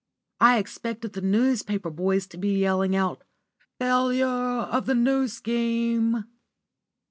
I expected the newspaper boys to be yelling out "Failure of the New Scheme!"